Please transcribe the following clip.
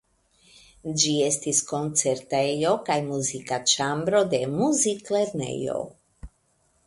Ĝi estis koncertejo kaj muzika ĉambro de muziklernejo.